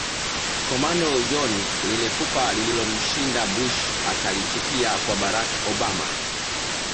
Commando John Lile fupa lililomshinda Bush akalitupia kwa Barack Obama